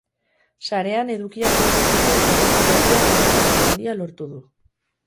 Sarean edukiak gordetzeko zerbitzu berriak arrakasta handia lortu du.